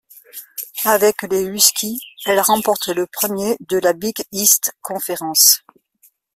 Avec les Huskies, elle remporte le premier de la Big East Conference.